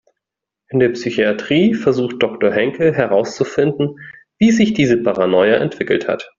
In der Psychatrie versucht Doktor Henkel herauszufinden, wie sich diese Paranoia entwickelt hat.